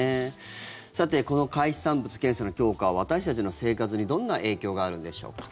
さてこの海産物検査の強化は私たちの生活にどんな影響があるんでしょうか？